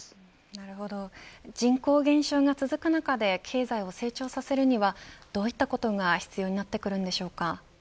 なるほど、人口減少が続く中で経済を成長させるにはどういったことが必要になってくるんでしょうか。